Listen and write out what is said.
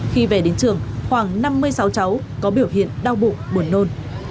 khi về đến trường khoảng năm mươi sáu cháu có biểu hiện đau bụng buồn nôn